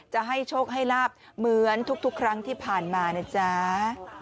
จะให้โชคให้ลาบเหมือนทุกครั้งที่ผ่านมานะจ๊ะ